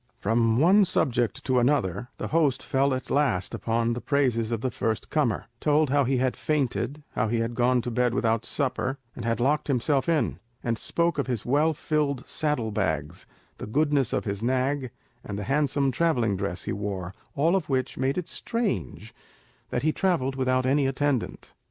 From one subject to another, the host fell at last upon the praises of the first comer; told how he had fainted, how he had gone to bed without supper, and had locked himself in; and spoke of his well filled saddle bags, the goodness of his nag, and the handsome travelling dress he wore, all which made it strange that he travelled without any attendant.